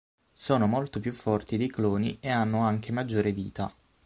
Sono molto più forti dei cloni e hanno anche maggiore vita.